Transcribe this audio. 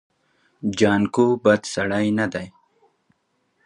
جانکو بد سړی نه دی.